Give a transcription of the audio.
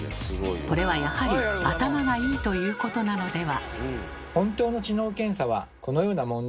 これはやはり「頭がいい」ということなのでは？